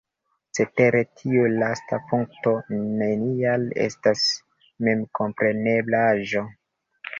Cetere, tiu lasta punkto neniel estas memkompreneblaĵo.